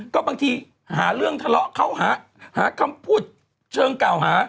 ก็บางทีหาเรื่องทะเลาะเขาหาคำพูดเชิงเก่าหา